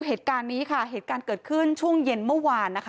เหตุการณ์นี้ค่ะเหตุการณ์เกิดขึ้นช่วงเย็นเมื่อวานนะคะ